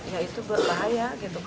ya itu berbahaya